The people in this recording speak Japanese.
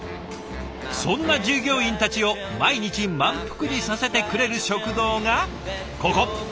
そんな従業員たちを毎日満腹にさせてくれる食堂がここ。